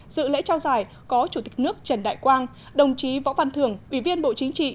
dự lễ trao giải có chủ tịch nước trần đại quang đồng chí võ văn thường ủy viên bộ chính trị